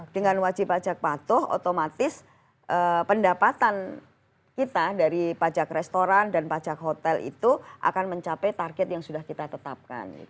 dengan wajib pajak patuh otomatis pendapatan kita dari pajak restoran dan pajak hotel itu akan mencapai target yang sudah kita tetapkan